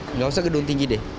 nggak usah gedung tinggi deh